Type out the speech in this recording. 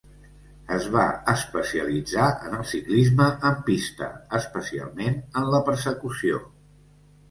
Es va especialitzar en el ciclisme en pista, especialment en la Persecució.